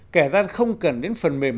kẻ gian không cần đến phần mềm